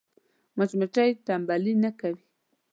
مچمچۍ تنبلي نه کوي